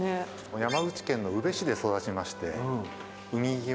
山口県の宇部市で育ちまして海際ですね。